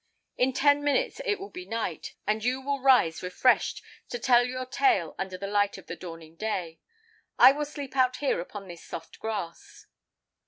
In ten minutes it will be night, and you will rise refreshed, to tell your tale under the light of the dawning day. I will sleep out here upon this soft grass."